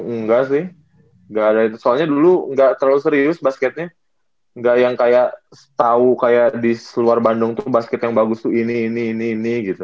waktu dulu enggak sih enggak ada itu soalnya dulu enggak terlalu serius basketnya enggak yang kayak tau kayak di seluar bandung tuh basket yang bagus tuh ini ini ini ini gitu